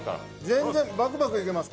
全然バクバクいけます